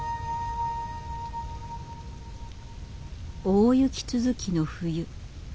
大雪続きの冬。